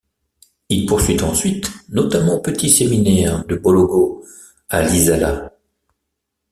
Il poursuit ensuite, notamment au petit séminaire de Bolongo à Lisala.